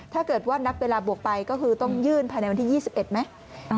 ถ้าเกิดว่านับเวลาบวกไปก็คือต้องยื่นภายในวันที่๒๑ไหม